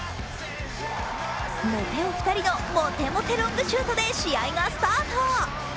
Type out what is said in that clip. モテ男のモテモテロングシュートで試合がスタート。